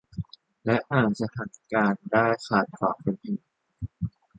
และอ่านสถานการณ์ได้ขาดกว่าคนอื่น